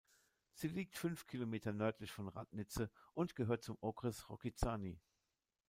Sie liegt fünf Kilometer nördlich von Radnice und gehört zum Okres Rokycany.